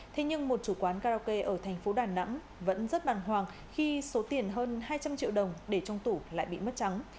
thế nhưng một chủ quán karaoke ở thành phố đà nẵng vẫn rất bàn hoàng khi số tiền hơn hai trăm linh triệu đồng để trong tủ lại bị mất trắng